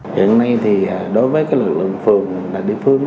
hiện nay thì đối với lực lượng phường là địa phương